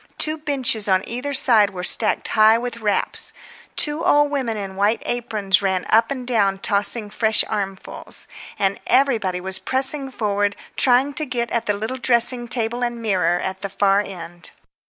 Two benches on either side were stacked high with wraps. Two old women in white aprons ran up and down tossing fresh armfuls. And everybody was pressing forward trying to get at the little dressing table and mirror at the far end.